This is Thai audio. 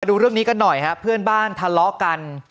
ดูเรื่องนี้กันหน่อยครับเพื่อนบ้านทะเลาะกัน